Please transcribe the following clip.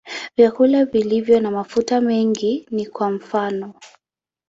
Vyakula vilivyo na mafuta mengi ni kwa mfano.